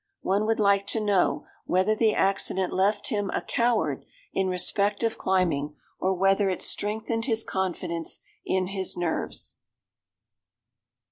One would like to know whether the accident left him a coward, in respect of climbing, or whether it strengthened his confidence in his nerves."